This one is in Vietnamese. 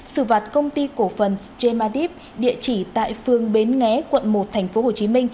xử phạt công ty cổ phần gemadep địa chỉ tại phương bến nghé quận một tp hcm